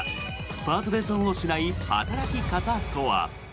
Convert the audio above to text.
パートで損をしない働き方とは。